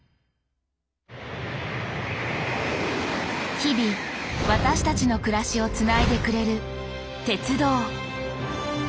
日々私たちの暮らしをつないでくれる「鉄道」。